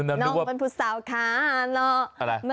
น้องมันผู้สาวขาเหล้า